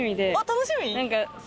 楽しみ？